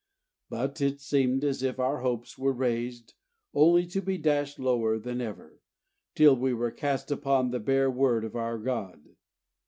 But it seemed as if our hopes were raised only to be dashed lower than ever, till we were cast upon the bare word of our God.